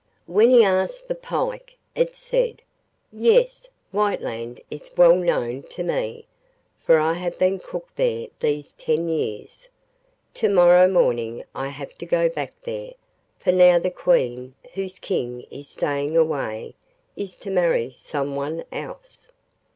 When he asked the pike, it said, 'Yes, Whiteland is well known to me, for I have been cook there these ten years. To morrow morning I have to go back there, for now the Queen, whose King is staying away, is to marry some one else.